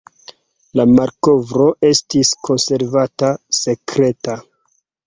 La malkovro estis konservata sekreta.